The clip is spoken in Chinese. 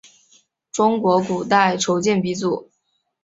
中国古代铸剑鼻祖。